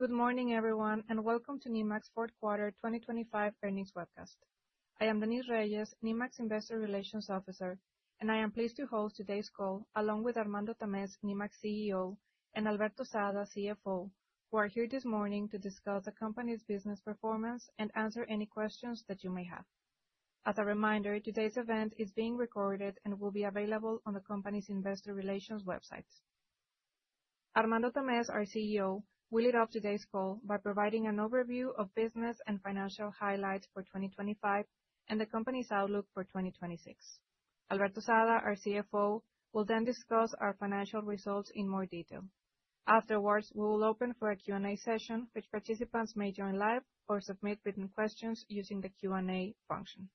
Good morning, everyone, welcome to Nemak's fourth quarter 2025 earnings webcast. I am Denise Reyes, Nemak's Investor Relations Officer, I am pleased to host today's call along with Armando Tamez, Nemak's CEO, and Alberto Sada, CFO, who are here this morning to discuss the company's business performance and answer any questions that you may have. As a reminder, today's event is being recorded and will be available on the company's investor relations website. Armando Tamez, our CEO, will lead off today's call by providing an overview of business and financial highlights for 2025 and the company's outlook for 2026. Alberto Sada, our CFO, will discuss our financial results in more detail. Afterwards, we will open for a Q&A session, which participants may join live or submit written questions using the Q&A function.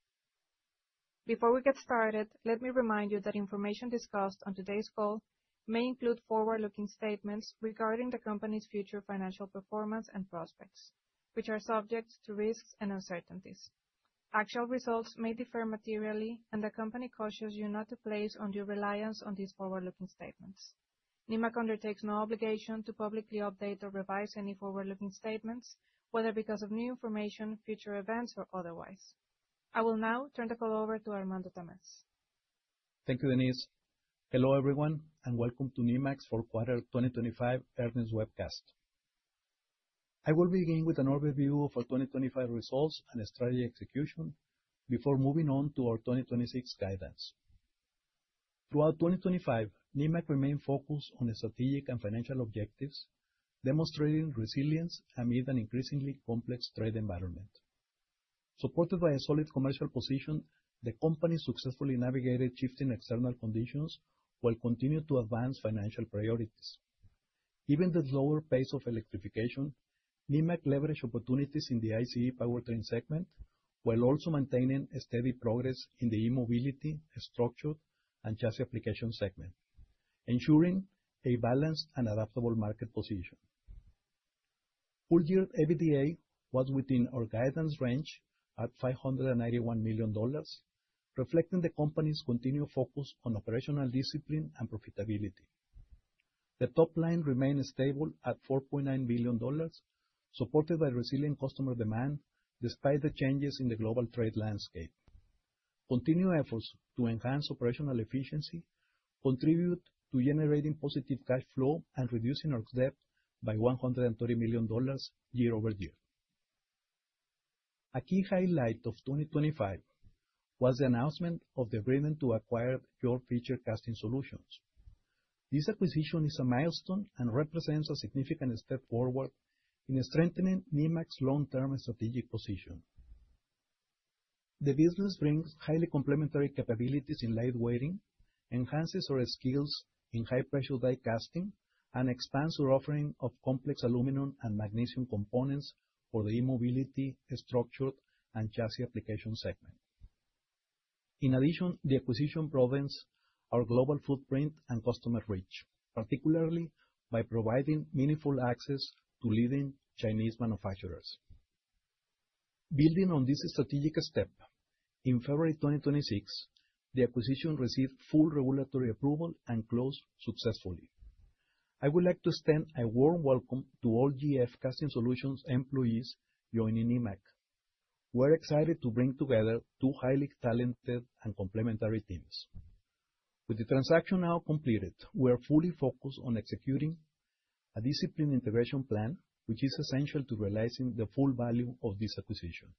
Before we get started, let me remind you that information discussed on today's call may include forward-looking statements regarding the company's future financial performance and prospects, which are subject to risks and uncertainties. Actual results may differ materially. The company cautions you not to place undue reliance on these forward-looking statements. Nemak undertakes no obligation to publicly update or revise any forward-looking statements, whether because of new information, future events, or otherwise. I will now turn the call over to Armando Tamez. Thank you, Denise. Hello, everyone, and welcome to Nemak's fourth quarter 2025 earnings webcast. I will begin with an overview of our 2025 results and strategy execution before moving on to our 2026 guidance. Throughout 2025, Nemak remained focused on the strategic and financial objectives, demonstrating resilience amid an increasingly complex trade environment. Supported by a solid commercial position, the company successfully navigated shifting external conditions, while continuing to advance financial priorities. Given the slower pace of electrification, Nemak leveraged opportunities in the ICE powertrain segment, while also maintaining a steady progress in the e-mobility, structure, and chassis application segment, ensuring a balanced and adaptable market position. Full-year EBITDA was within our guidance range at $591 million, reflecting the company's continued focus on operational discipline and profitability. The top line remained stable at $4.9 billion, supported by resilient customer demand, despite the changes in the global trade landscape. Continued efforts to enhance operational efficiency contribute to generating positive cash flow and reducing our debt by $130 million year-over-year. A key highlight of 2025 was the announcement of the agreement to acquire GF Casting Solutions. This acquisition is a milestone and represents a significant step forward in strengthening Nemak's long-term strategic position. The business brings highly complementary capabilities in light weighting, enhances our skills in high-pressure die casting, and expands our offering of complex aluminum and magnesium components for the e-mobility, structure, and chassis application segment. In addition, the acquisition province, our global footprint and customer reach, particularly by providing meaningful access to leading Chinese manufacturers. Building on this strategic step, in February 2026, the acquisition received full regulatory approval and closed successfully. I would like to extend a warm welcome to all GF Casting Solutions employees joining Nemak. We're excited to bring together two highly talented and complementary teams. With the transaction now completed, we are fully focused on executing a disciplined integration plan, which is essential to realizing the full value of this acquisition.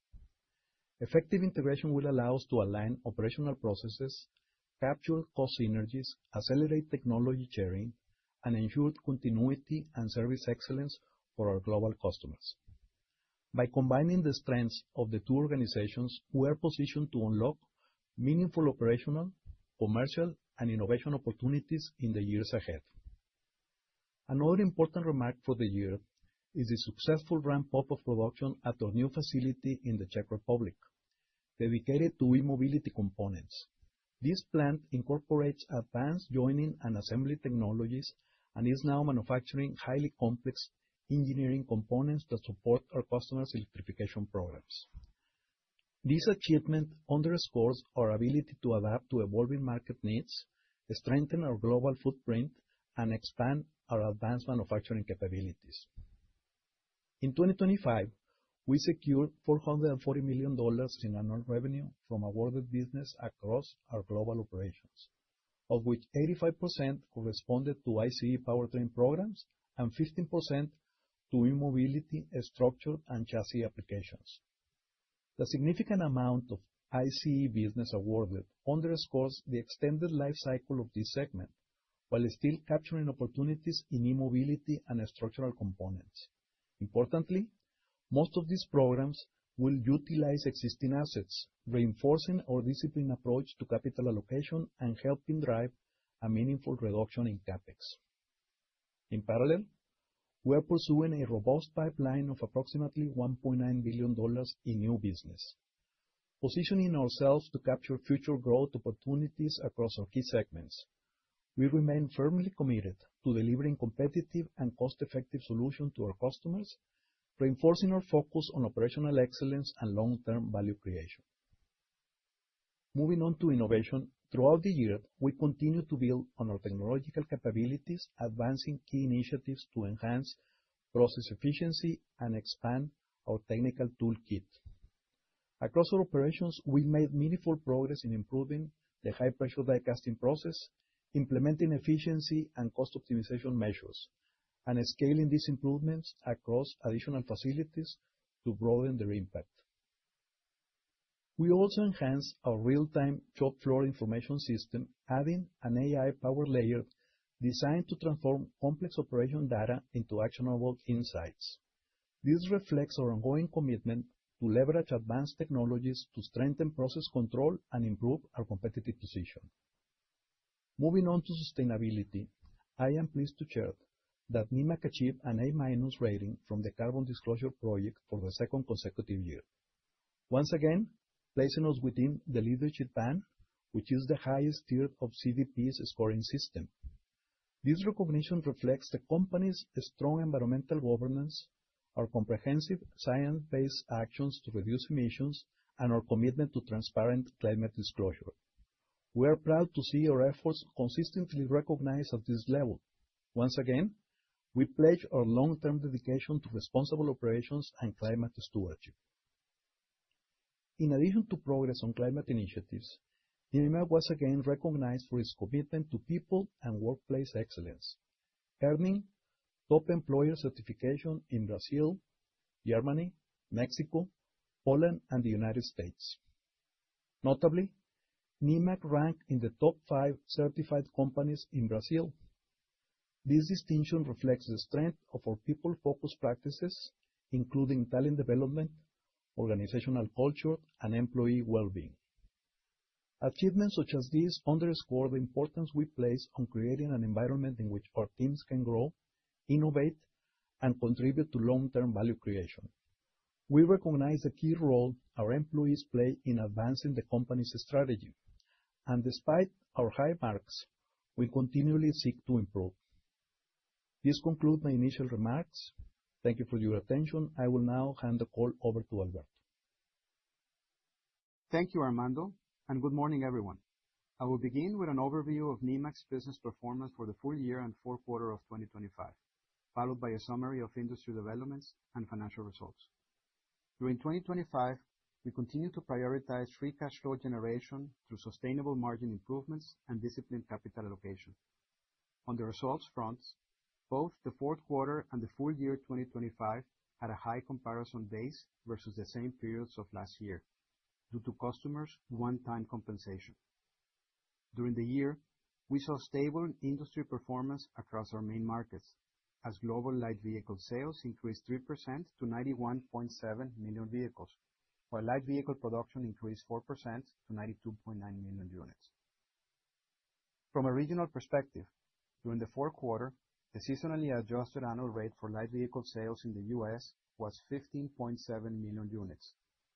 Effective integration will allow us to align operational processes, capture cost synergies, accelerate technology sharing, and ensure continuity and service excellence for our global customers. By combining the strengths of the two organizations, we are positioned to unlock meaningful operational, commercial, and innovation opportunities in the years ahead. Another important remark for the year is the successful ramp-up of production at our new facility in the Czech Republic, dedicated to e-mobility components. This plant incorporates advanced joining and assembly technologies and is now manufacturing highly complex engineering components that support our customers' electrification programs. This achievement underscores our ability to adapt to evolving market needs, strengthen our global footprint, and expand our advanced manufacturing capabilities. In 2025, we secured $440 million in annual revenue from awarded business across our global operations, of which 85% corresponded to ICE powertrain programs and 15% to e-mobility, structure, and chassis applications. The significant amount of ICE business awarded underscores the extended life cycle of this segment, while still capturing opportunities in e-mobility and structural components. Importantly, most of these programs will utilize existing assets, reinforcing our disciplined approach to capital allocation and helping drive a meaningful reduction in CapEx. In parallel, we are pursuing a robust pipeline of approximately $1.9 billion in new business, positioning ourselves to capture future growth opportunities across our key segments. We remain firmly committed to delivering competitive and cost-effective solution to our customers, reinforcing our focus on operational excellence and long-term value creation. Moving on to innovation. Throughout the year, we continued to build on our technological capabilities, advancing key initiatives to enhance process efficiency and expand our technical toolkit. Across our operations, we made meaningful progress in improving the high-pressure die casting process, implementing efficiency and cost optimization measures, and scaling these improvements across additional facilities to broaden their impact. We also enhanced our real-time shop floor information system, adding an AI-powered layer designed to transform complex operation data into actionable insights. This reflects our ongoing commitment to leverage advanced technologies to strengthen process control and improve our competitive position. Moving on to sustainability, I am pleased to share that Nemak achieved an A-minus rating from the Carbon Disclosure Project for the second consecutive year, once again, placing us within the leadership band, which is the highest tier of CDP's scoring system. This recognition reflects the company's strong environmental governance, our comprehensive science-based actions to reduce emissions, and our commitment to transparent climate disclosure. We are proud to see our efforts consistently recognized at this level. Once again, we pledge our long-term dedication to responsible operations and climate stewardship. In addition to progress on climate initiatives, Nemak was again recognized for its commitment to people and workplace excellence, earning Top Employer certification in Brazil, Germany, Mexico, Poland, and the United States. Notably, Nemak ranked in the top five certified companies in Brazil. This distinction reflects the strength of our people-focused practices, including talent development, organizational culture, and employee well-being. Achievements such as these underscore the importance we place on creating an environment in which our teams can grow, innovate, and contribute to long-term value creation. We recognize the key role our employees play in advancing the company's strategy, and despite our high marks, we continually seek to improve. This concludes my initial remarks. Thank you for your attention. I will now hand the call over to Alberto. Thank you, Armando, and good morning, everyone. I will begin with an overview of Nemak's business performance for the full year and fourth quarter of 2025, followed by a summary of industry developments and financial results. During 2025, we continued to prioritize free cash flow generation through sustainable margin improvements and disciplined capital allocation. On the results fronts, both the fourth quarter and the full year 2025 had a high comparison base versus the same periods of last year due to customers' one-time compensation. During the year, we saw stable industry performance across our main markets, as global light vehicle sales increased 3% to 91.7 million vehicles, while light vehicle production increased 4% to 92.9 million units. From a regional perspective, during the fourth quarter, the seasonally adjusted annual rate for light vehicle sales in the U.S. was 15.7 million units,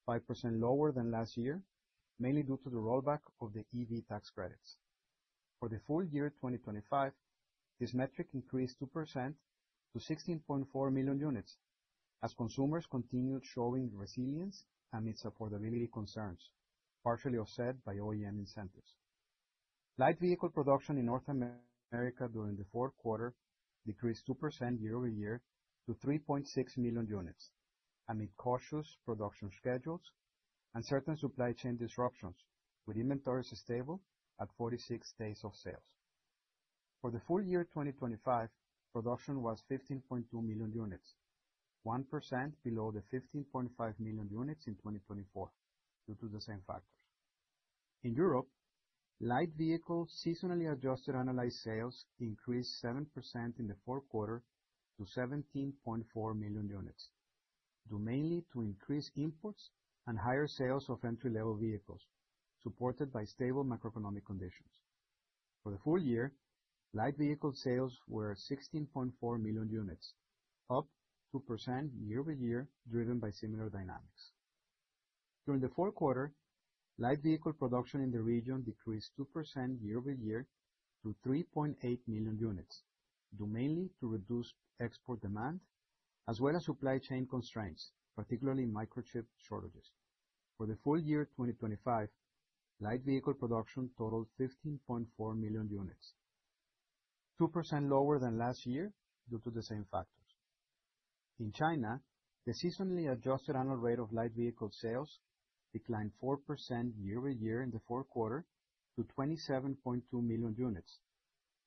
5% lower than last year, mainly due to the rollback of the EV tax credits. For the full year 2025, this metric increased 2% to 16.4 million units, as consumers continued showing resilience amidst affordability concerns, partially offset by OEM incentives. Light vehicle production in North America during the fourth quarter decreased 2% year-over-year to 3.6 million units, amid cautious production schedules and certain supply chain disruptions, with inventories stable at 46 days of sales. For the full year 2025, production was 15.2 million units, 1% below the 15.5 million units in 2024, due to the same factors. In Europe, light vehicle seasonally adjusted annualized sales increased 7% in the fourth quarter to 17.4 million units, due mainly to increased imports and higher sales of entry-level vehicles, supported by stable macroeconomic conditions. For the full year, light vehicle sales were 16.4 million units, up 2% year-over-year, driven by similar dynamics. During the fourth quarter, light vehicle production in the region decreased 2% year-over-year to 3.8 million units, due mainly to reduced export demand, as well as supply chain constraints, particularly microchip shortages. For the full year 2025, light vehicle production totaled 15.4 million units, 2% lower than last year due to the same factors. In China, the seasonally adjusted annual rate of light vehicle sales declined 4% year-over-year in the 4th quarter to 27.2 million units,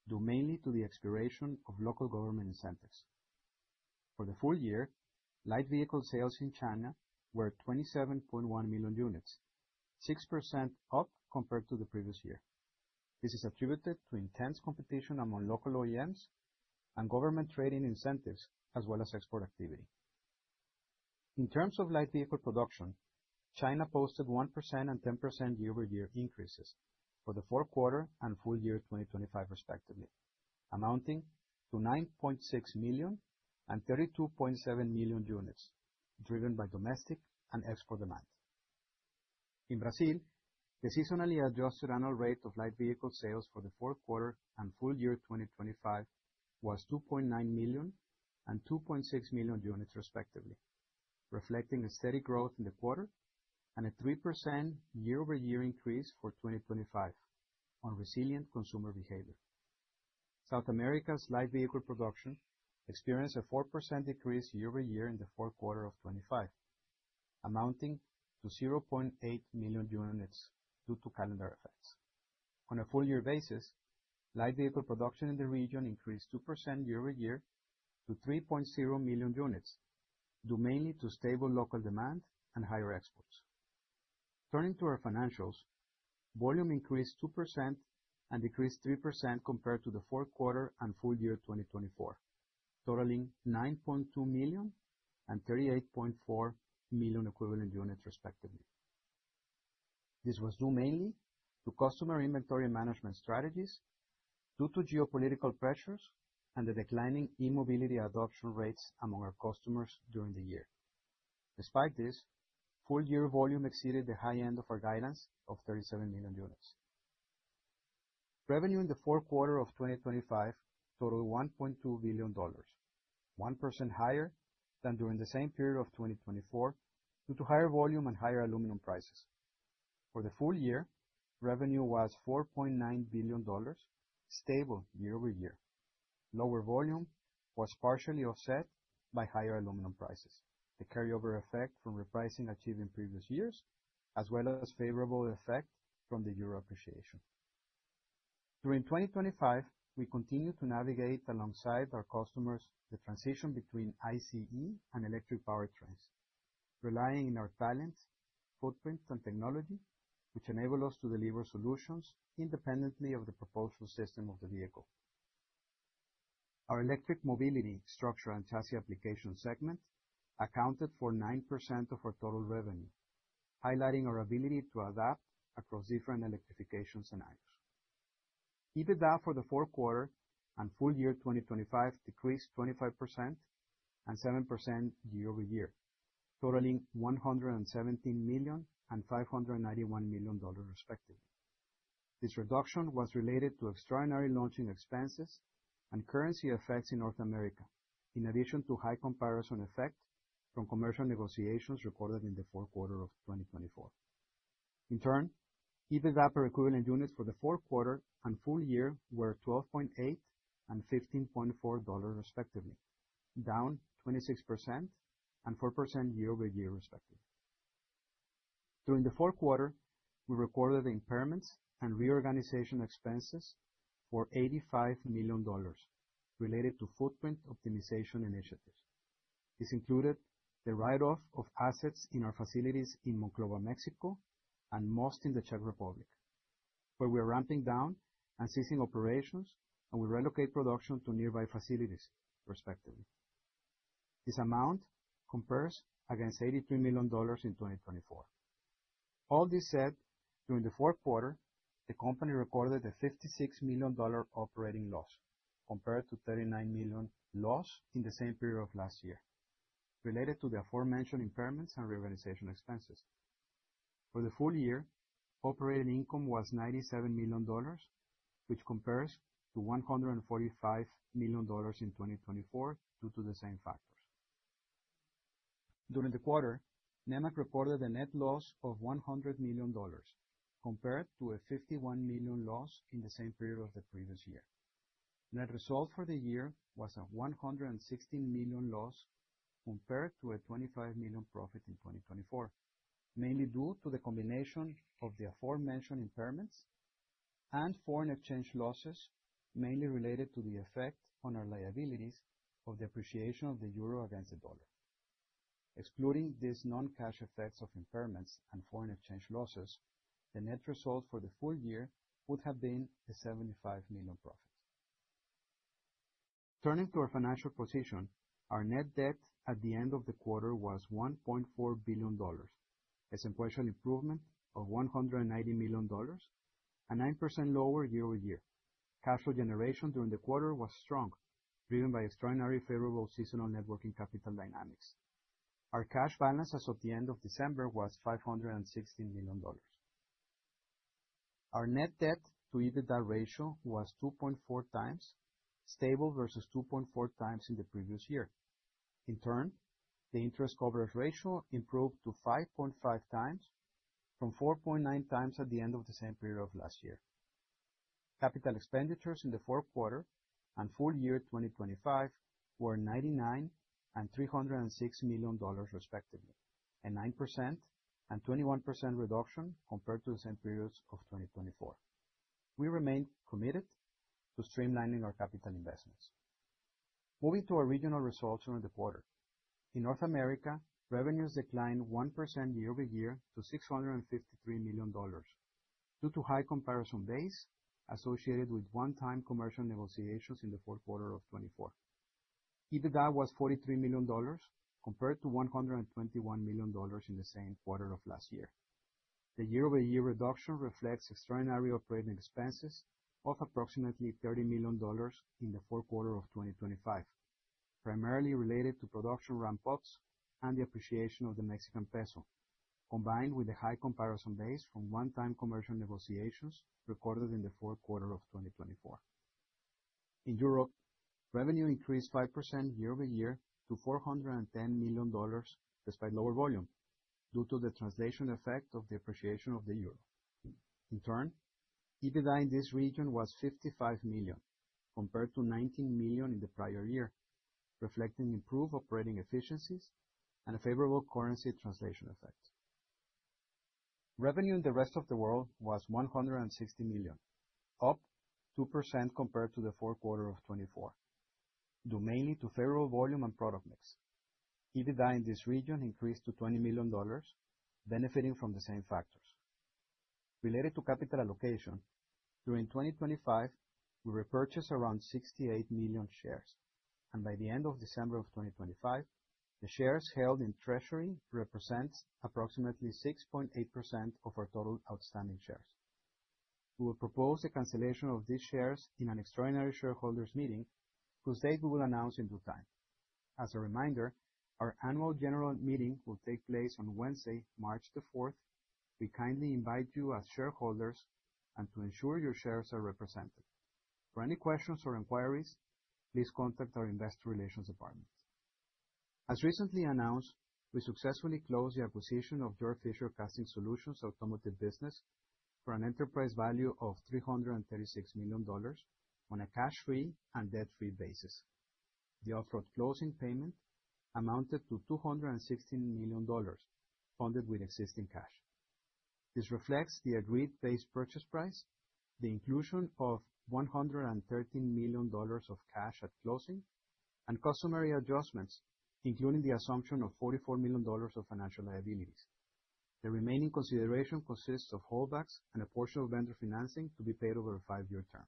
due mainly to the expiration of local government incentives. For the full year, light vehicle sales in China were 27.1 million units, 6% up compared to the previous year. This is attributed to intense competition among local OEMs and government trade-in incentives, as well as export activity. In terms of light vehicle production, China posted 1% and 10% year-over-year increases for the 4th quarter and full year 2025, respectively, amounting to 9.6 million and 32.7 million units, driven by domestic and export demand. In Brazil, the seasonally adjusted annual rate of light vehicle sales for the fourth quarter and full year 2025 was 2.9 million and 2.6 million units, respectively. Reflecting a steady growth in the quarter and a 3% year-over-year increase for 2025 on resilient consumer behavior. South America's light vehicle production experienced a 4% decrease year-over-year in the fourth quarter of 2025, amounting to 0.8 million units due to calendar effects. On a full year basis, light vehicle production in the region increased 2% year-over-year to 3.0 million units, due mainly to stable local demand and higher exports. Turning to our financials, volume increased 2% and decreased 3% compared to the fourth quarter and full year 2024, totaling 9.2 million and 38.4 million equivalent units respectively. This was due mainly to customer inventory management strategies due to geopolitical pressures and the declining e-mobility adoption rates among our customers during the year. Despite this, full year volume exceeded the high end of our guidance of 37 million units. Revenue in the fourth quarter of 2025 totaled $1.2 billion, 1% higher than during the same period of 2024, due to higher volume and higher aluminum prices. For the full year, revenue was $4.9 billion, stable year-over-year. Lower volume was partially offset by higher aluminum prices, the carryover effect from repricing achieved in previous years, as well as favorable effect from the euro appreciation. During 2025, we continued to navigate alongside our customers the transition between ICE and electric powertrains, relying on our talent, footprint, and technology, which enable us to deliver solutions independently of the propulsion system of the vehicle. Our e-mobility Structure and Chassis application segment accounted for 9% of our total revenue, highlighting our ability to adapt across different electrification scenarios. EBITDA for the fourth quarter and full year 2025 decreased 25% and 7% year-over-year, totaling $117 million and $591 million, respectively. This reduction was related to extraordinary launching expenses and currency effects in North America, in addition to high comparison effect from commercial negotiations recorded in the fourth quarter of 2024. EBITDA per equivalent units for the fourth quarter and full year were $12.8 and $15.4, respectively, down 26% and 4% year-over-year, respectively. During the fourth quarter, we recorded impairments and reorganization expenses for $85 million related to footprint optimization initiatives. This included the write-off of assets in our facilities in Monclova, Mexico, and Most in the Czech Republic, where we are ramping down and ceasing operations, and we relocate production to nearby facilities, respectively. This amount compares against $83 million in 2024. During the fourth quarter, the company recorded a $56 million operating loss, compared to $39 million loss in the same period of last year, related to the aforementioned impairments and reorganization expenses. For the full year, operating income was $97 million, which compares to $145 million in 2024 due to the same factors. During the quarter, Nemak reported a net loss of $100 million, compared to a $51 million loss in the same period of the previous year. Net result for the year was a $116 million loss, compared to a $25 million profit in 2024, mainly due to the combination of the aforementioned impairments and foreign exchange losses, mainly related to the effect on our liabilities of the appreciation of the euro against the dollar. Excluding these non-cash effects of impairments and foreign exchange losses, the net result for the full year would have been a $75 million profit. Turning to our financial position, our net debt at the end of the quarter was $1.4 billion, a substantial improvement of $190 million, and 9% lower year-over-year. Cash flow generation during the quarter was strong, driven by extraordinary favorable seasonal net working capital dynamics. Our cash balance as of the end of December was $516 million. Our net debt to EBITDA ratio was 2.4x, stable versus 2.4x in the previous year. In turn, the interest coverage ratio improved to 5.5x from 4.9x at the end of the same period of last year. CapEx in the fourth quarter and full year 2025 were $99 million and $306 million, respectively, a 9% and 21% reduction compared to the same periods of 2024. We remain committed to streamlining our capital investments. Moving to our regional results during the quarter. In North America, revenues declined 1% year-over-year to $653 million due to high comparison base associated with one-time commercial negotiations in the fourth quarter of 2024. EBITDA was $43 million, compared to $121 million in the same quarter of last year. The year-over-year reduction reflects extraordinary operating expenses of approximately $30 million in the fourth quarter of 2025, primarily related to production ramp-ups and the appreciation of the Mexican peso, combined with the high comparison base from one-time commercial negotiations recorded in the fourth quarter of 2024. In Europe, revenue increased 5% year-over-year to $410 million, despite lower volume, due to the translation effect of the appreciation of the euro. In turn, EBITDA in this region was $55 million, compared to $19 million in the prior year, reflecting improved operating efficiencies and a favorable currency translation effect. Revenue in the rest of the world was $160 million, up 2% compared to the fourth quarter of 2024, due mainly to favorable volume and product mix. EBITDA in this region increased to $20 million, benefiting from the same factors. Related to capital allocation, during 2025, we repurchased around 68 million shares, and by the end of December of 2025, the shares held in treasury represents approximately 6.8% of our total outstanding shares. We will propose the cancellation of these shares in an extraordinary shareholders meeting, whose date we will announce in due time. As a reminder, our annual general meeting will take place on Wednesday, March the fourth. We kindly invite you as shareholders, to ensure your shares are represented. For any questions or inquiries, please contact our investor relations department. As recently announced, we successfully closed the acquisition of GF Casting Solutions' automotive business for an enterprise value of $336 million on a cash-free and debt-free basis. The offered closing payment amounted to $216 million, funded with existing cash. This reflects the agreed base purchase price, the inclusion of $113 million of cash at closing, and customary adjustments, including the assumption of $44 million of financial liabilities. The remaining consideration consists of holdbacks and a portion of vendor financing to be paid over a five-year term.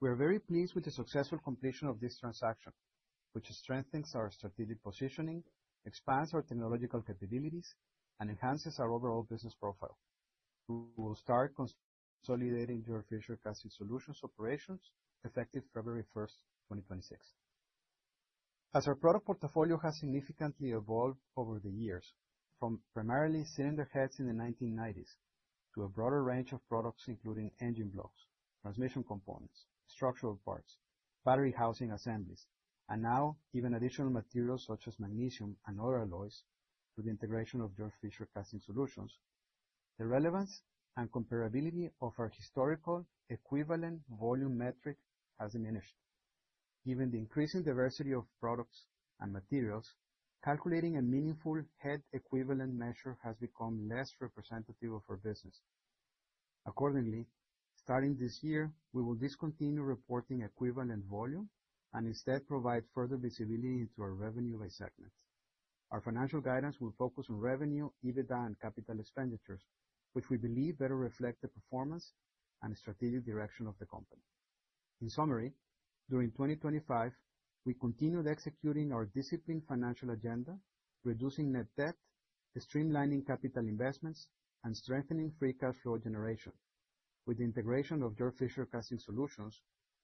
We are very pleased with the successful completion of this transaction, which strengthens our strategic positioning, expands our technological capabilities, and enhances our overall business profile. We will start consolidating GF Casting Solutions operations, effective February 1st, 2026. As our product portfolio has significantly evolved over the years, from primarily cylinder heads in the 1990s to a broader range of products, including engine blocks, transmission components, structural parts, battery housing assemblies, and now even additional materials such as magnesium and other alloys, through the integration of GF Casting Solutions, the relevance and comparability of our historical equivalent volume metric has diminished. Given the increasing diversity of products and materials, calculating a meaningful head-equivalent measure has become less representative of our business. Accordingly, starting this year, we will discontinue reporting equivalent volume and instead provide further visibility into our revenue by segments. Our financial guidance will focus on revenue, EBITDA, and capital expenditures, which we believe better reflect the performance and strategic direction of the company. In summary, during 2025, we continued executing our disciplined financial agenda, reducing net debt, streamlining capital investments, and strengthening free cash flow generation. With the integration of GF Casting Solutions,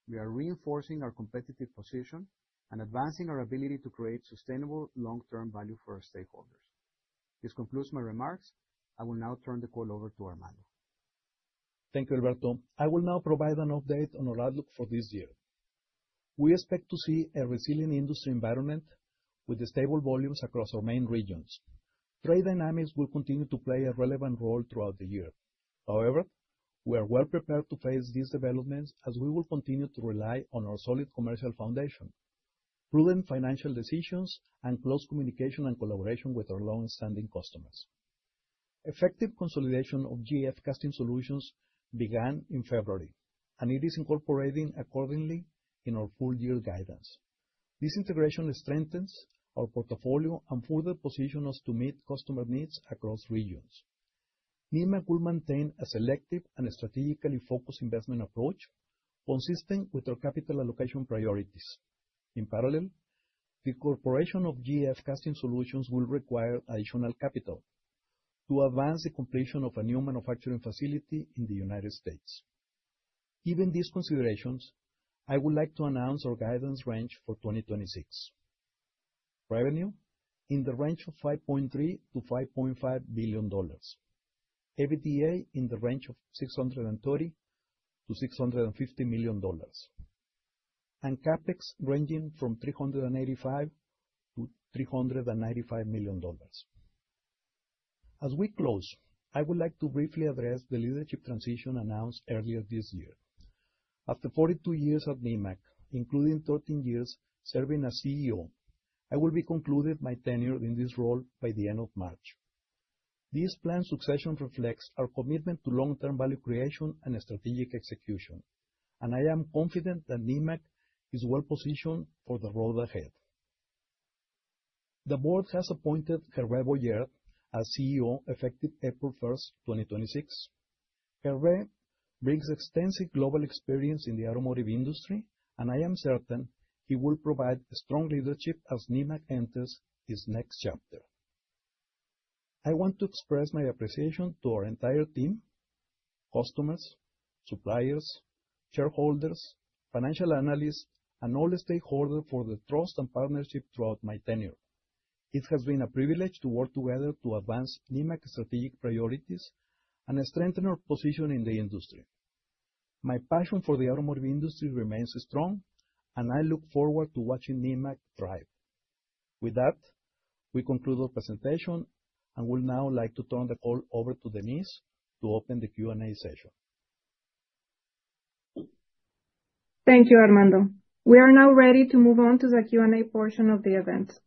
we are reinforcing our competitive position and advancing our ability to create sustainable long-term value for our stakeholders. This concludes my remarks. I will now turn the call over to Armando. Thank you, Alberto. I will now provide an update on our outlook for this year. We expect to see a resilient industry environment with stable volumes across our main regions. Trade dynamics will continue to play a relevant role throughout the year. However, we are well prepared to face these developments, as we will continue to rely on our solid commercial foundation, prudent financial decisions, and close communication and collaboration with our long-standing customers. Effective consolidation of GF Casting Solutions began in February, and it is incorporating accordingly in our full year guidance. This integration strengthens our portfolio and further position us to meet customer needs across regions. Nemak will maintain a selective and strategically focused investment approach, consistent with our capital allocation priorities. In parallel, the corporation of GF Casting Solutions will require additional capital to advance the completion of a new manufacturing facility in the United States. Given these considerations, I would like to announce our guidance range for 2026. Revenue: in the range of $5.3 billion-$5.5 billion. EBITDA in the range of $630 million-$650 million. CapEx ranging from $385 million-$395 million. As we close, I would like to briefly address the leadership transition announced earlier this year. After 42 years at Nemak, including 13 years serving as CEO, I will be concluded my tenure in this role by the end of March. This planned succession reflects our commitment to long-term value creation and strategic execution, and I am confident that Nemak is well positioned for the road ahead. The board has appointed Hervé Boyer as CEO, effective April 1st, 2026. Hervé brings extensive global experience in the automotive industry. I am certain he will provide strong leadership as Nemak enters this next chapter. I want to express my appreciation to our entire team, customers, suppliers, shareholders, financial analysts, and all the stakeholder for the trust and partnership throughout my tenure. It has been a privilege to work together to advance Nemak's strategic priorities and strengthen our position in the industry. My passion for the automotive industry remains strong. I look forward to watching Nemak thrive. With that, we conclude our presentation. We would now like to turn the call over to Denise to open the Q&A session. Thank you, Armando. We are now ready to move on to the Q&A portion of the event.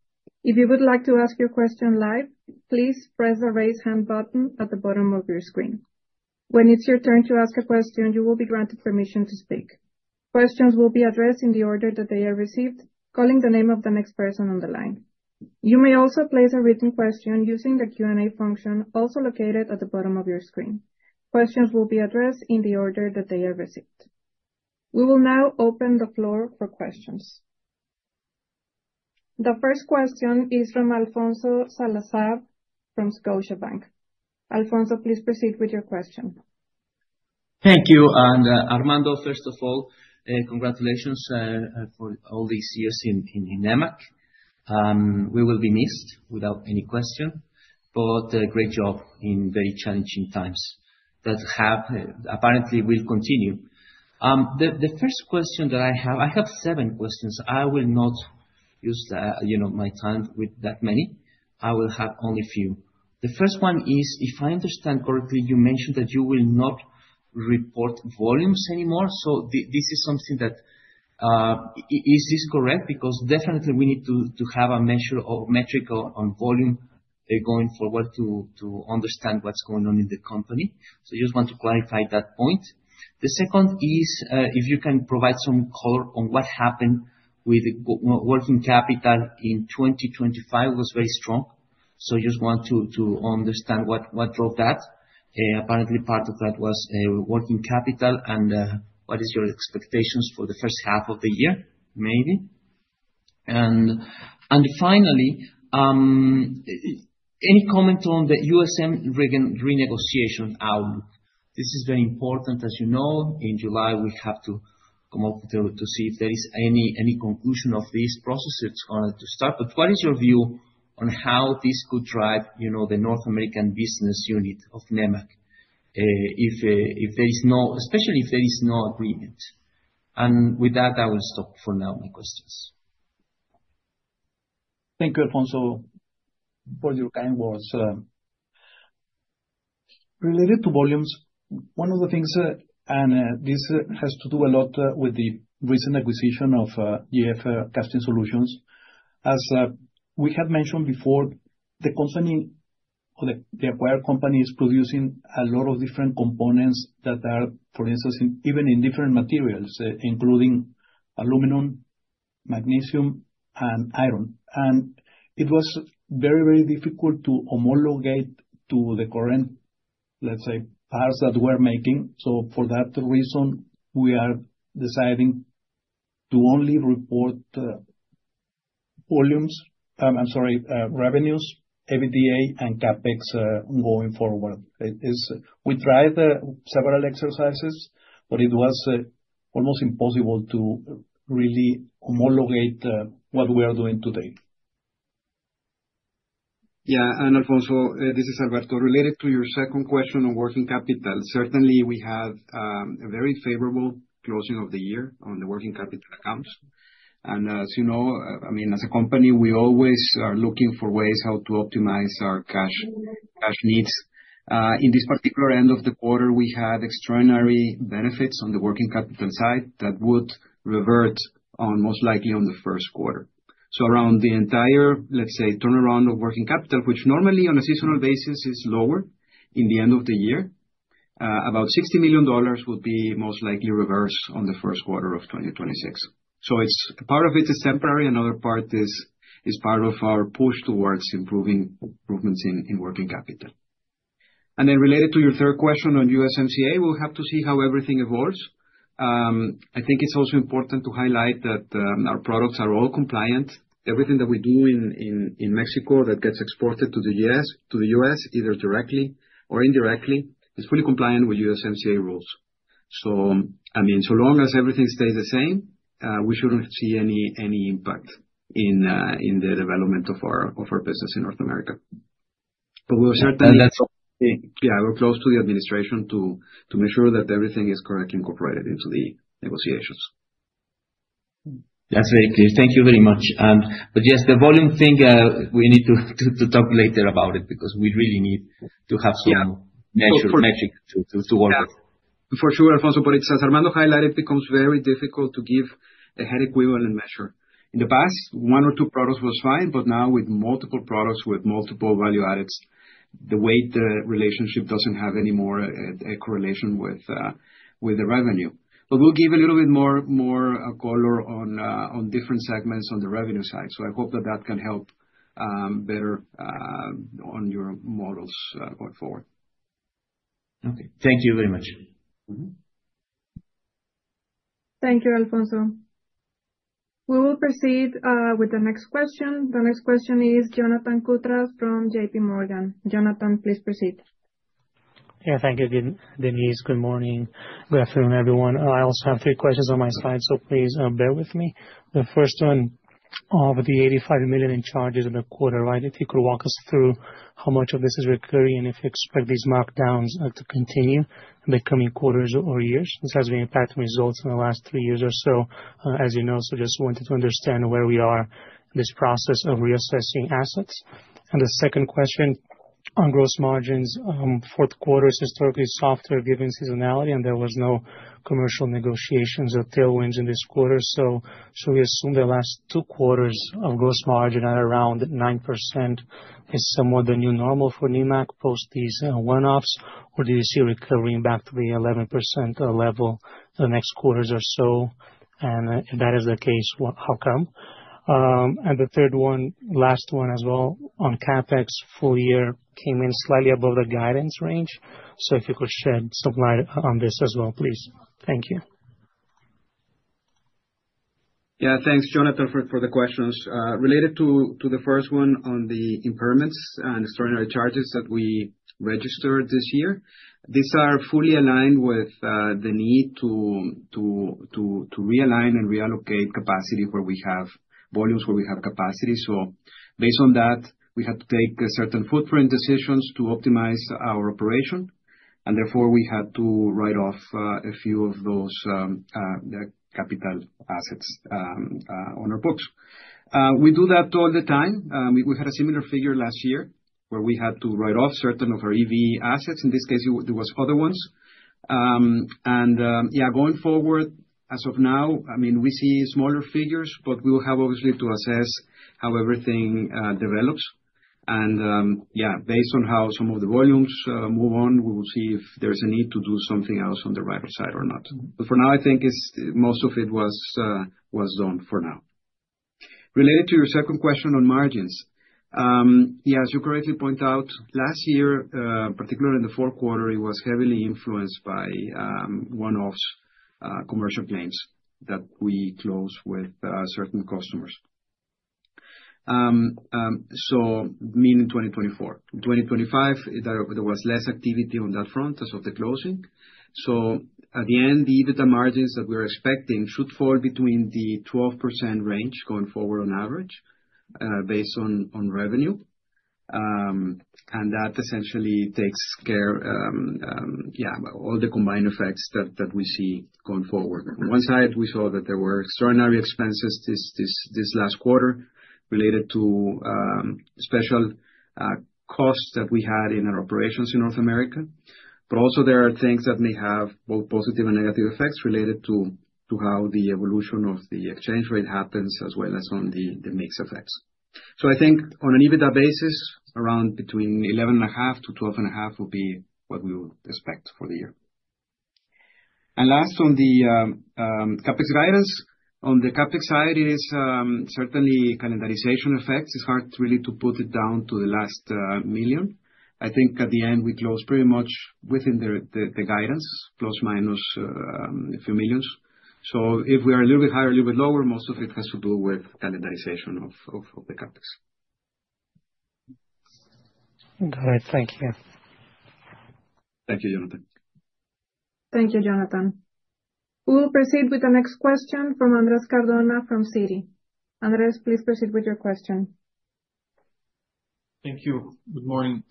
If you would like to ask your question live, please press the Raise Hand button at the bottom of your screen. When it's your turn to ask a question, you will be granted permission to speak. Questions will be addressed in the order that they are received, calling the name of the next person on the line. You may also place a written question using the Q&A function, also located at the bottom of your screen. Questions will be addressed in the order that they are received. We will now open the floor for questions. The first question is from Alfonso Salazar from Scotiabank. Alfonso, please proceed with your question. Thank you. Armando, first of all, congratulations, for all these years in Nemak. We will be missed without any question, but great job in very challenging times that have, apparently will continue. The first question that I have. I have seven questions. I will not use, you know, my time with that many. I will have only a few. The first one is, if I understand correctly, you mentioned that you will not report volumes anymore, so this is something that... Is this correct? Because definitely we need to have a measure or metric on volume, going forward to understand what's going on in the company. Just want to clarify that point. The second is, if you can provide some color on what happened with working capital in 2025, was very strong. Just want to understand what drove that. Apparently part of that was working capital, what is your expectations for the first half of the year, maybe? Finally, any comment on the USMCA renegotiation outlook? This is very important, as you know. In July, we have to come up to see if there is any conclusion of these processes on to start. What is your view on how this could drive, you know, the North American business unit of Nemak, if there is no agreement. With that, I will stop for now my questions. Thank you, Alfonso, for your kind words. Related to volumes, one of the things, and this has to do a lot with the recent acquisition of GF Casting Solutions. As we have mentioned before, the acquired company is producing a lot of different components that are, for instance, even in different materials, including aluminum, magnesium, and iron. It was very difficult to homologate to the current, let's say, parts that we're making. For that reason, we are deciding to only report volumes, I'm sorry, revenues, EBITDA and CapEx going forward. We tried several exercises, but it was almost impossible to really homologate what we are doing today. Alfonso, this is Alberto. Related to your second question on working capital, certainly we had a very favorable closing of the year on the working capital accounts. As you know, I mean, as a company, we always are looking for ways how to optimize our cash needs. In this particular end of the quarter, we had extraordinary benefits on the working capital side that would revert most likely on the first quarter. Around the entire, let's say, turnaround of working capital, which normally on a seasonal basis is lower in the end of the year, about $60 million will be most likely reversed on the first quarter of 2026. It's, part of it is temporary, another part is part of our push towards improvements in working capital. Related to your third question on USMCA, we'll have to see how everything evolves. I think it's also important to highlight that our products are all compliant. Everything that we do in Mexico that gets exported to the U.S., either directly or indirectly, is fully compliant with USMCA rules. I mean, so long as everything stays the same, we shouldn't see any impact in the development of our business in North America. We're certainly. That's all. Yeah, we're close to the administration to make sure that everything is correctly incorporated into the negotiations. That's very clear. Thank you very much. Yes, the volume thing, we need to talk later about it, because we really need to have. Yeah. Measure, metric to work with. For sure, Alfonso, but as Armando highlighted, it becomes very difficult to give a head-equivalent measure. In the past, one or two products was fine, but now with multiple products, with multiple value adds, the weight, the relationship doesn't have any more a correlation with the revenue. We'll give a little bit more color on different segments on the revenue side. I hope that that can help better on your models going forward. Okay. Thank you very much. Thank you, Alfonso. We will proceed with the next question. The next question is Jonathan Koutras from JPMorgan. Jonathan, please proceed. Yeah, thank you, Denise. Good morning, good afternoon, everyone. I also have three questions on my side, so please bear with me. The first one, of the $85 million in charges in the quarter, right? If you could walk us through how much of this is recurring, and if you expect these markdowns to continue in the coming quarters or years. This has been impacting results in the last three years or so, as you know, so just wanted to understand where we are in this process of reassessing assets. The second question, on gross margins, fourth quarter is historically softer given seasonality, and there was no commercial negotiations or tailwinds in this quarter. Should we assume the last two quarters of gross margin at around 9% is somewhat the new normal for Nemak post these one-offs, or do you see it recurring back to the 11% level the next quarters or so? If that is the case, how come? The third one, last one as well, on CapEx, full year came in slightly above the guidance range. If you could shed some light on this as well, please. Thank you. Thanks, Jonathan, for the questions. Related to the first one on the impairments and extraordinary charges that we registered this year, these are fully aligned with the need to realign and reallocate capacity where we have volumes, where we have capacity. Based on that, we had to take certain footprint decisions to optimize our operation, and therefore, we had to write off a few of those the capital assets on our books. We do that all the time. We had a similar figure last year, where we had to write off certain of our EV assets. In this case, it was other ones. Going forward, as of now, I mean, we see smaller figures, but we will have obviously to assess how everything develops. Based on how some of the volumes move on, we will see if there is a need to do something else on the right side or not. For now, I think most of it was done for now. Related to your second question on margins, as you correctly point out, last year, particularly in the fourth quarter, it was heavily influenced by one-off commercial claims that we closed with certain customers. Meaning in 2024. In 2025, there was less activity on that front as of the closing. At the end, the EBITDA margins that we're expecting should fall between the 12% range going forward on average, based on revenue. That essentially takes care, yeah, all the combined effects that we see going forward. On one side, we saw that there were extraordinary expenses this last quarter related to special costs that we had in our operations in North America. Also there are things that may have both positive and negative effects related to how the evolution of the exchange rate happens, as well as on the mix effects. I think on an EBITDA basis, around between $11.5-$12.5 will be what we would expect for the year. Last, on the CapEx guidance. On the CapEx side, it is certainly calendarization effects. It's hard to really to put it down to the last $1 million. I think at the end, we closed pretty much within the guidance, plus, minus, a few millions. If we are a little bit higher, a little bit lower, most of it has to do with calendarization of the CapEx. Got it. Thank you. Thank you, Jonathan. Thank you, Jonathan. We will proceed with the next question from Andres Cardona from Citi. Andres, please proceed with your question. Thank you. Good morning.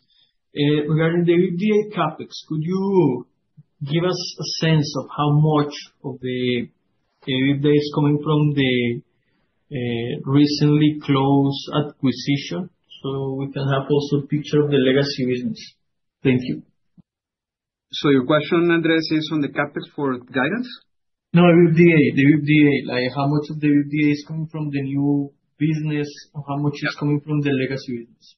Regarding the EBITDA CapEx, could you give us a sense of how much of the EBITDA is coming from the recently closed acquisition, so we can have also a picture of the legacy business? Thank you. Your question, Andres, is on the CapEx for guidance? No, EBITDA, the EBITDA. Like, how much of the EBITDA is coming from the new business, and how much is coming from the legacy business?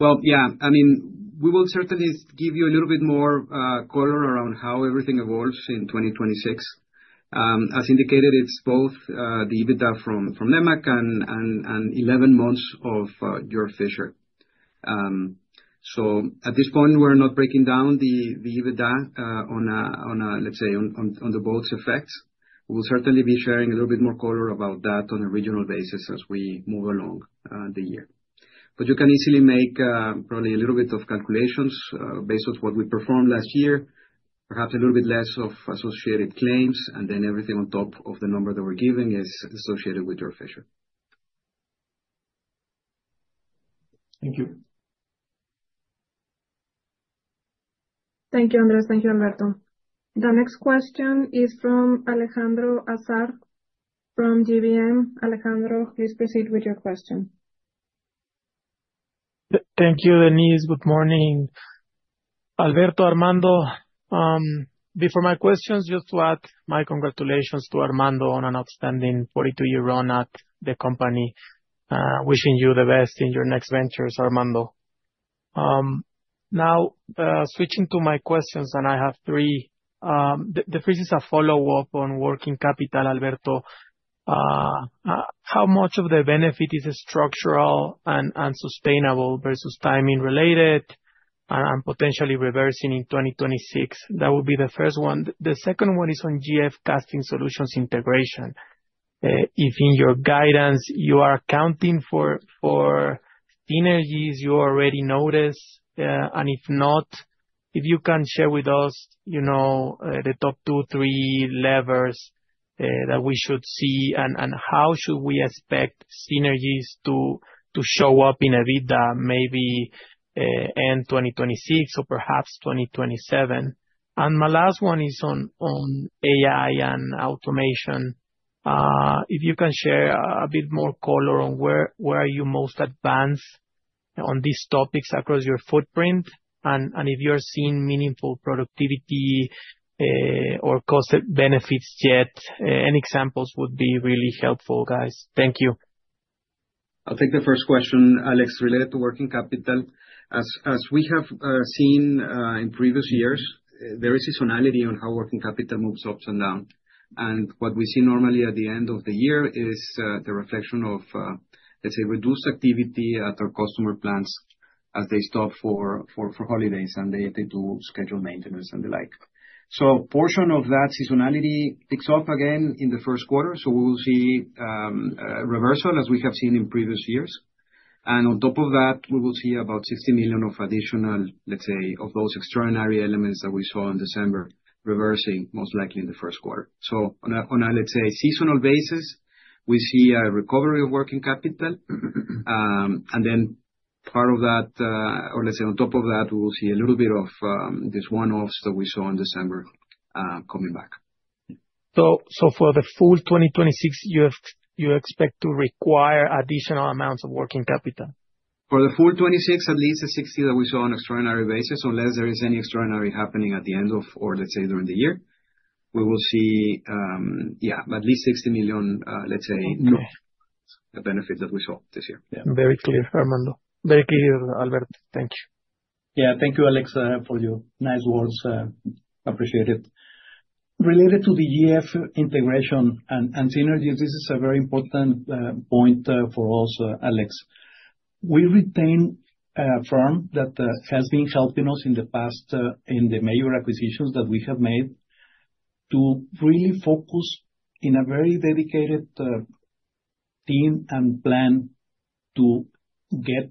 Well, yeah. I mean, we will certainly give you a little bit more color around how everything evolves in 2026. As indicated, it's both the EBITDA from Nemak and 11 months of Georg Fischer. At this point, we're not breaking down the EBITDA on a, let's say, on the both effects. We'll certainly be sharing a little bit more color about that on a regional basis as we move along the year. You can easily make probably a little bit of calculations based on what we performed last year. Perhaps a little bit less of associated claims, and then everything on top of the number that we're giving is associated with Georg Fischer. Thank you. Thank you, Andres. Thank you, Alberto. The next question is from Alejandro Azar, from GBM. Alejandro, please proceed with your question. Thank you, Denise. Good morning, Alberto, Armando. Before my questions, just to add my congratulations to Armando on an outstanding 42-year run at the company. Wishing you the best in your next ventures, Armando. Now, switching to my questions, I have three. The first is a follow-up on working capital, Alberto. How much of the benefit is structural and sustainable versus timing related, potentially reversing in 2026? That would be the first one. The second one is on GF Casting Solutions integration. If in your guidance, you are accounting for synergies you already notice, and if not, if you can share with us, you know, the top two, three levers that we should see, and how should we expect synergies to show up in EBITDA, maybe, end 2026 or perhaps 2027? My last one is on AI and automation. If you can share a bit more color on where are you most advanced on these topics across your footprint? If you're seeing meaningful productivity or cost benefits yet, any examples would be really helpful, guys. Thank you. I'll take the first question, Alex, related to working capital. As we have seen in previous years, there is seasonality on how working capital moves ups and down. What we see normally at the end of the year is the reflection of, let's say, reduced activity at our customer plants as they stop for holidays, and they do scheduled maintenance and the like. Portion of that seasonality picks up again in the first quarter, so we will see a reversal as we have seen in previous years. On top of that, we will see about $60 million of additional, let's say, of those extraordinary elements that we saw in December, reversing most likely in the first quarter. On a, let's say, seasonal basis, we see a recovery of working capital. Part of that, or let's say on top of that, we will see a little bit of these one-offs that we saw in December coming back. For the full 2026, you expect to require additional amounts of working capital? For the full 2026, at least the 60 that we saw on extraordinary basis, unless there is any extraordinary happening at the end of, or during the year, we will see, yeah, at least $60 million. Okay. The benefits that we saw this year. Yeah. Very clear, Armando. Very clear, Albert. Thank you. Yeah, thank you, Alex, for your nice words. Appreciate it. Related to the GF integration and synergy, this is a very important point for us, Alex. We retain a firm that has been helping us in the past, in the major acquisitions that we have made, to really focus in a very dedicated team and plan to get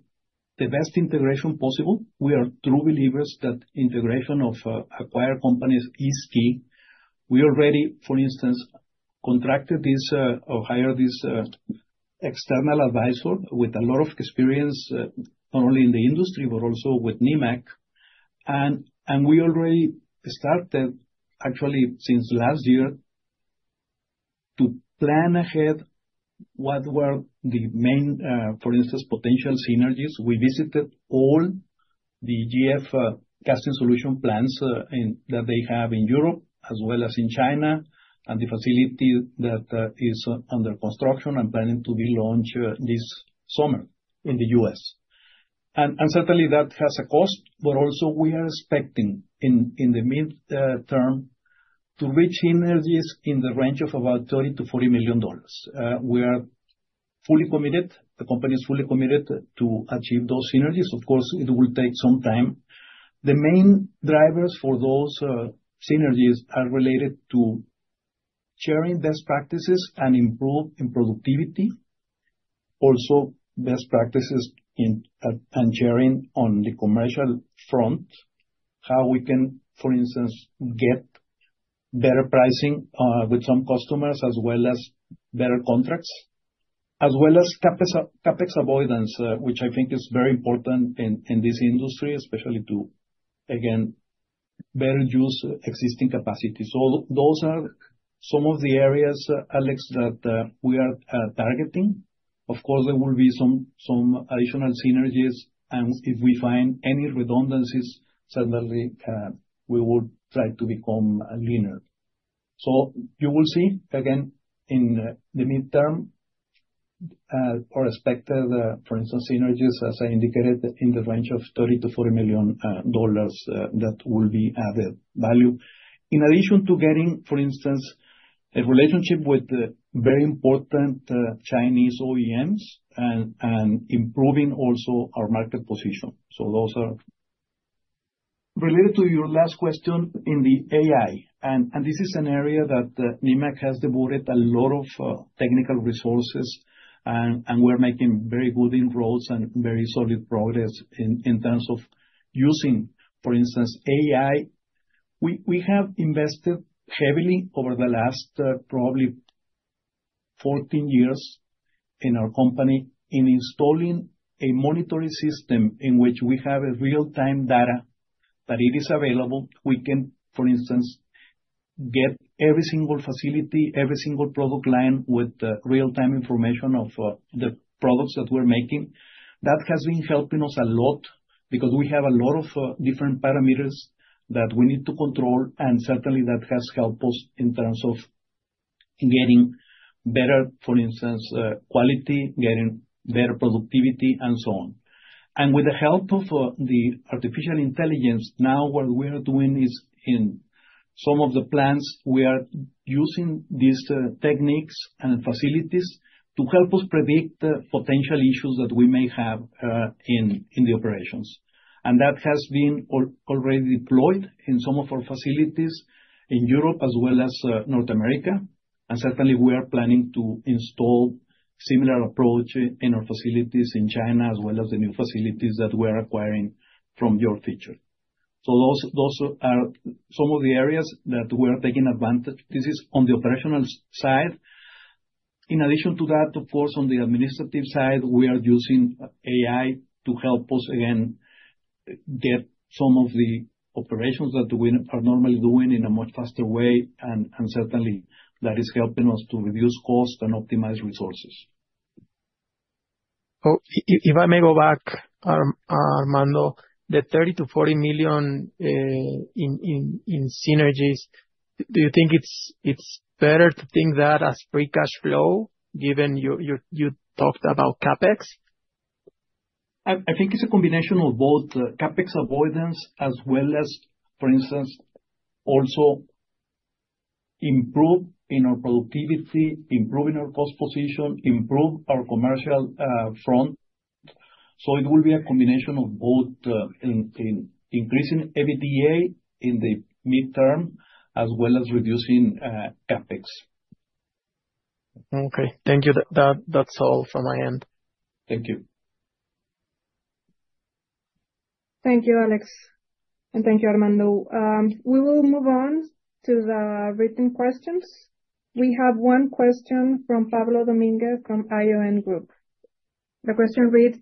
the best integration possible. We are true believers that integration of acquired companies is key. We already, for instance, contracted this or hired this external advisor with a lot of experience, not only in the industry, but also with Nemak. We already started, actually, since last year, to plan ahead what were the main, for instance, potential synergies. We visited all the GF Casting Solutions plants that they have in Europe as well as in China, and the facility that is under construction and planning to be launched this summer in the U.S. Certainly that has a cost, but also we are expecting in the mid-term to reach synergies in the range of about $30 million-$40 million. We are fully committed, the company is fully committed to achieve those synergies. Of course, it will take some time. The main drivers for those synergies are related to sharing best practices and improve in productivity. Also, best practices in and sharing on the commercial front, how we can, for instance, get better pricing with some customers, as well as better contracts, as well as CapEx avoidance, which I think is very important in this industry, especially to, again, better use existing capacity. Those are some of the areas, Alex, that we are targeting. Of course, there will be some additional synergies, and if we find any redundancies, certainly, we would try to become leaner. You will see again, in the midterm, or expected, for instance, synergies, as I indicated, in the range of $30 million-$40 million that will be added value. In addition to getting, for instance, a relationship with the very important Chinese OEMs and improving also our market position. Those are... Related to your last question in the AI, and this is an area that Nemak has devoted a lot of technical resources, and we're making very good inroads and very solid progress in terms of using, for instance, AI. We have invested heavily over the last probably 14 years in our company, in installing a monitoring system in which we have a real-time data, that it is available. We can, for instance, get every single facility, every single product line, with real-time information of the products that we're making. That has been helping us a lot, because we have a lot of different parameters that we need to control, and certainly that has helped us in terms of getting better, for instance, quality, getting better productivity, and so on. With the help of the artificial intelligence, now what we are doing is in some of the plants, we are using these techniques and facilities to help us predict potential issues that we may have in the operations. That has been already deployed in some of our facilities in Europe as well as North America. Certainly we are planning to install similar approach in our facilities in China, as well as the new facilities that we are acquiring from GF Casting Solutions. Those are some of the areas that we are taking advantage. This is on the operational side. In addition to that, of course, on the administrative side, we are using AI to help us, again, get some of the operations that we are normally doing in a much faster way, and certainly that is helping us to reduce cost and optimize resources. Oh, if I may go back, Armando, the $30 million-$40 million in synergies, do you think it's better to think that as free cash flow, given you talked about CapEx? I think it's a combination of both the CapEx avoidance as well as, for instance, also improve in our productivity, improving our cost position, improve our commercial front. It will be a combination of both in increasing EBITDA in the midterm, as well as reducing CapEx. Okay. Thank you. That's all from my end. Thank you. Thank you, Alex, and thank you, Armando. We will move on to the written questions. We have one question from Pablo Dominguez, from ION Group. The question reads: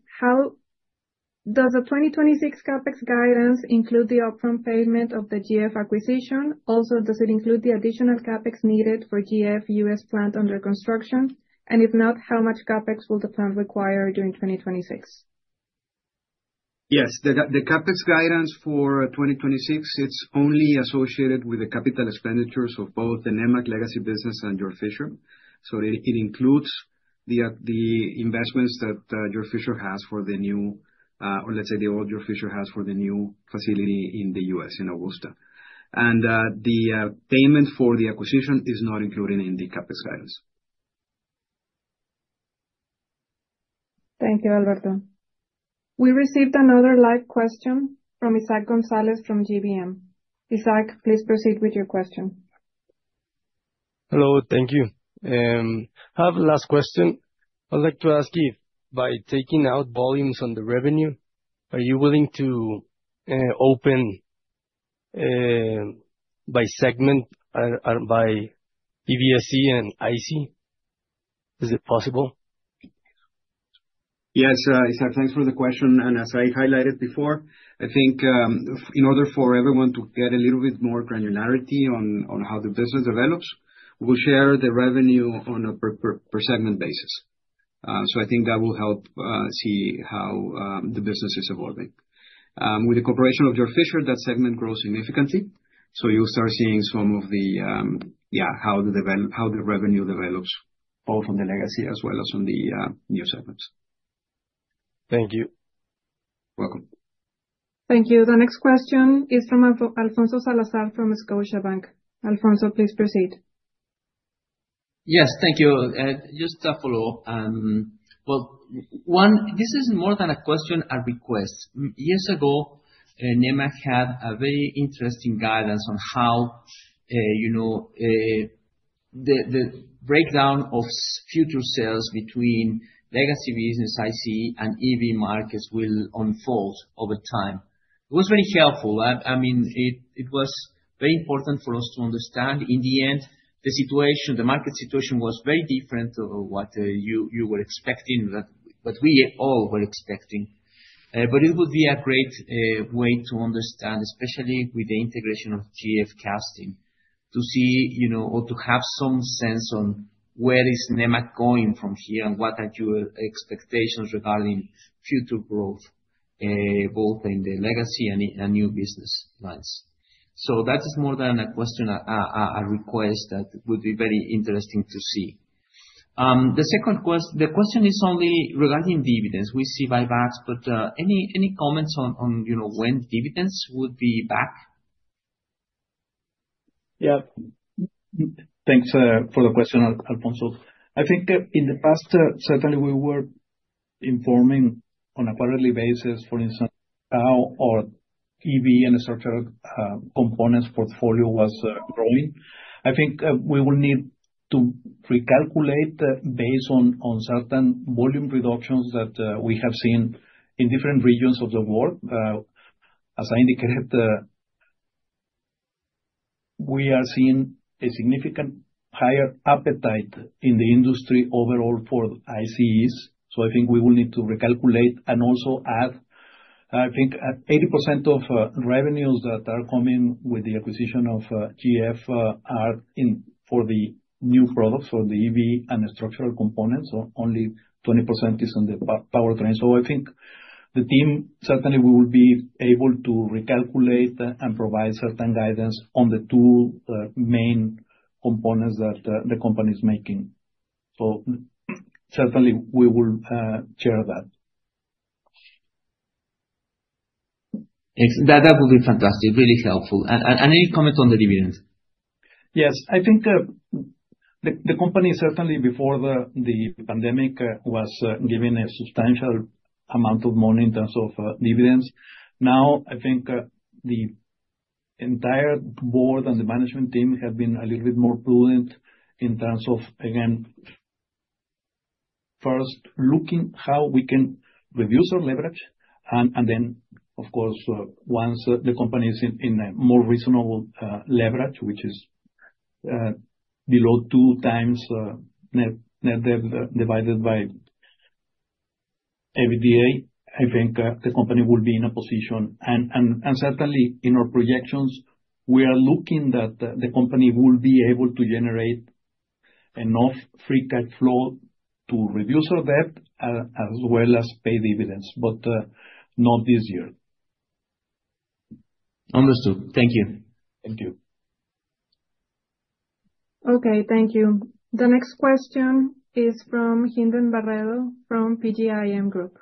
Does the 2026 CapEx guidance include the upfront payment of the GF acquisition? Also, does it include the additional CapEx needed for GF U.S. plant under construction? If not, how much CapEx will the plant require during 2026? Yes, the CapEx guidance for 2026, it's only associated with the capital expenditures of both the Nemak legacy business and GF. It includes the investments that GF has for the new, or let's say, the old GF has for the new facility in the U.S., in Augusta. The payment for the acquisition is not included in the CapEx guidance. Thank you, Alberto. We received another live question from Isaac Gonzalez from GBM. Isaac, please proceed with your question. Hello. Thank you. I have the last question. I'd like to ask you, by taking out volumes on the revenue, are you willing to open by segment by EV/SC and ICE? Is it possible? Yes, Isaac, thanks for the question. As I highlighted before, I think, in order for everyone to get a little bit more granularity on how the business develops, we'll share the revenue on a per segment basis. I think that will help see how the business is evolving. With the corporation of Georg Fisher, that segment grows significantly, so you'll start seeing some of the, yeah, how the revenue develops, both from the legacy as well as from the new segments. Thank you. Welcome. Thank you. The next question is from Alfonso Salazar from Scotiabank. Alfonso, please proceed. Yes, thank you. Just to follow up, well, one, this is more than a question, a request. Years ago, Nemak had a very interesting guidance on how, you know, the breakdown of future sales between legacy business ICE and EV markets will unfold over time. It was very helpful. I mean, it was very important for us to understand. In the end, the situation, the market situation was very different to what you were expecting, what we all were expecting. It would be a great way to understand, especially with the integration of GF Casting, to see, you know, or to have some sense on where is Nemak going from here, and what are your expectations regarding future growth, both in the legacy and in new business lines. That is more than a question, a request that would be very interesting to see. The second question is only regarding dividends. We see buybacks, but any comments on, you know, when dividends would be back? Thanks for the question, Alfonso. I think, in the past, certainly we were informing on a quarterly basis, for instance, how our EV and structural components portfolio was growing. I think, we will need to recalculate based on certain volume reductions that we have seen in different regions of the world. As I indicated, we are seeing a significant higher appetite in the industry overall for ICEs, so I think we will need to recalculate, and also add, I think, at 80% of revenues that are coming with the acquisition of GF, are in for the new products, for the EV and structural components, so only 20% is on the powertrain. I think the team, certainly we will be able to recalculate, and provide certain guidance on the two, main components that, the company is making. Certainly we will share that. That would be fantastic, really helpful. Any comments on the dividends? Yes. I think, the company, certainly before the pandemic, was giving a substantial amount of money in terms of dividends. Now, I think the entire board and the management team have been a little bit more prudent in terms of, again, first looking how we can reduce our leverage. Then, of course, once the company is in a more reasonable leverage, which is below 2x net debt divided by EBITDA, I think the company will be in a position. Certainly in our projections, we are looking that the company will be able to generate enough free cash flow to reduce our debt as well as pay dividends, but not this year. Understood. Thank you. Thank you. Okay, thank you. The next question is from Hindin Barredo from PGIM Group.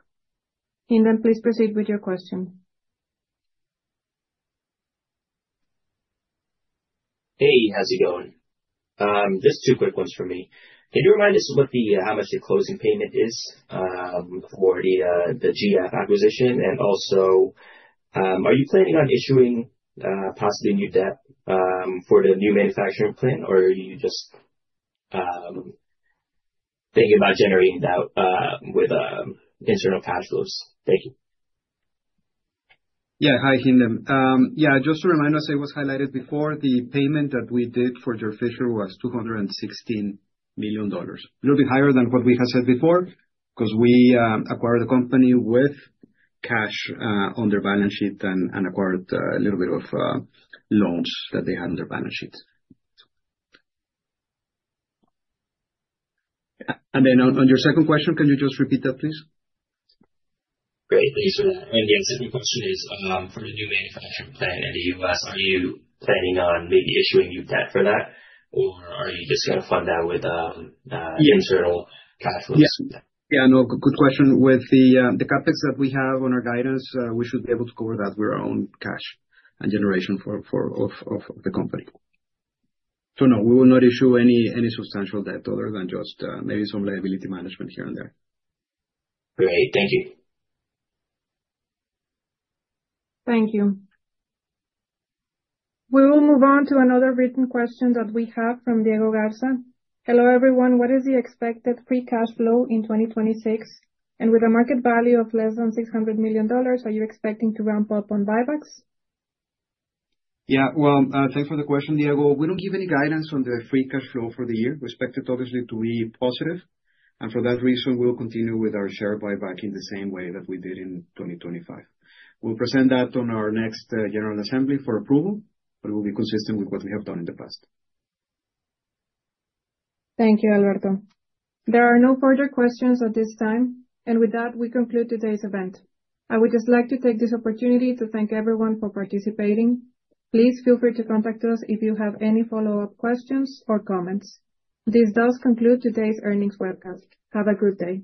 Hindin, please proceed with your question. Hey, how's it going? Just two quick ones for me. Can you remind us what the how much the closing payment is for the GF acquisition? Also, are you planning on issuing possibly new debt for the new manufacturing plant, or are you just thinking about generating that with internal cash flows? Thank you. Yeah. Hi, Hindin. Yeah, just to remind us, it was highlighted before, the payment that we did for GF was $216 million. A little bit higher than what we had said before, 'cause we acquired the company with cash on their balance sheet and acquired a little bit of loans that they had on their balance sheet. Then on your second question, can you just repeat that, please? Great. Thank you for that. The second question is, for the new manufacturing plant in the US, are you planning on maybe issuing new debt for that, or are you just gonna fund that with? Yeah... internal cash flows? Yeah. Yeah, no, good question. With the CapEx that we have on our guidance, we should be able to cover that with our own cash and generation for the company. No, we will not issue any substantial debt, other than just maybe some liability management here and there. Great. Thank you. Thank you. We will move on to another written question that we have from Diego Garza. Hello, everyone. What is the expected free cash flow in 2026? With a market value of less than $600 million, are you expecting to ramp up on buybacks? Yeah. Well, thanks for the question, Diego. We don't give any guidance on the free cash flow for the year. We expect it obviously to be positive. For that reason, we will continue with our share buyback in the same way that we did in 2025. We'll present that on our next general assembly for approval, but it will be consistent with what we have done in the past. Thank you, Alberto. There are no further questions at this time. With that, we conclude today's event. I would just like to take this opportunity to thank everyone for participating. Please feel free to contact us if you have any follow-up questions or comments. This does conclude today's earnings webcast. Have a good day.